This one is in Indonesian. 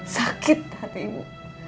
sakit hati ibu